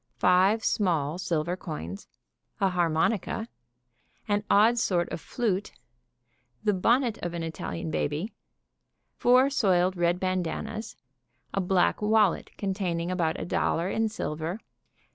Five small silver coins. An harmonica. An odd sort of flute. The bonnet of an Italian baby. Four soiled red bandannas. A black wallet containing about a dollar in silver.